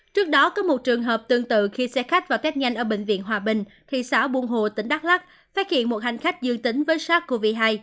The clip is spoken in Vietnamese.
trước đó có một trường hợp tương tự khi xe khách vào test nhanh ở bệnh viện hòa bình thị xã buôn hồ tỉnh đắk lắc phát hiện một hành khách dương tính với sars cov hai